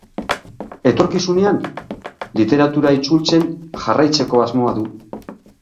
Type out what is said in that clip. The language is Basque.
Etorkizunean, literatura itzultzen jarraitzeko asmoa du.